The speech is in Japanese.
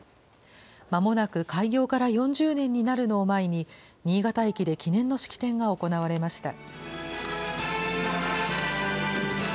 まもなく開業から４０年になるのを前に、新潟駅で記念の式典が行われました。